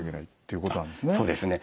そうですね。